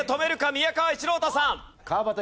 宮川一朗太さん！